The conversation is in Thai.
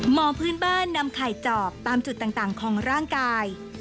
หมอพื้นบ้านนำไข่จอบตามจุดต่างของร่างกาย